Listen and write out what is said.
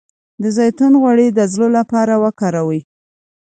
د زیتون غوړي د زړه لپاره وکاروئ